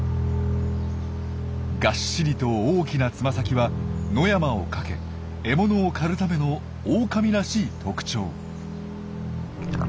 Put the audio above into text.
がっしりと大きなつま先は野山を駆け獲物を狩るためのオオカミらしい特徴。